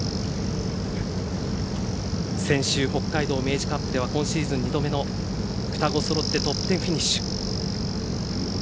先週北海道Ｍｅｉｊｉカップでは今シーズン２度目の双子そろってトップ１０フィニッシュ。